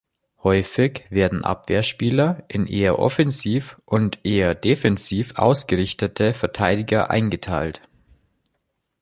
Häufig werden Abwehrspieler in eher offensiv und eher defensiv ausgerichtete Verteidiger eingeteilt.